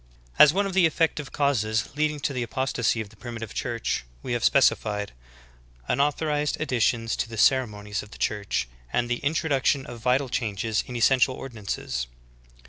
I 1. As one of the effective causes leading to the apos tasy of the Primitive Church we have specified : Unau thorised additions to the ceremonies of the Church, and the introduction of vital changes in essential ordinances.